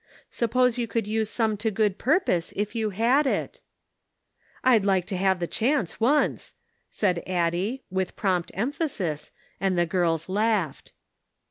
Suppose you could use some to good purpose if you had it ?"" I'd like to have the chance once," said Addie, with prompt emphasis, and the girls laughed.